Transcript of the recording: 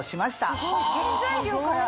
すごい原材料から。